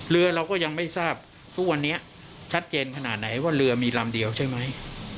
เรือเราก็ยังไม่ทราบทุกวันนี้ชัดเจนขนาดไหนว่าเรือมีลำเดียวใช่ไหม